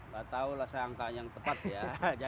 gak tahulah saya angka yang tepat ya